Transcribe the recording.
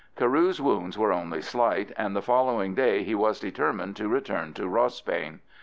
Carew's wounds were only slight, and the following day he was determined to return to Rossbane.